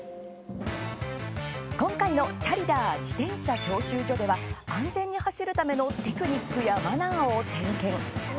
今回の「チャリダー★自転車教習所」では安全に走るためのテクニックやマナーを点検。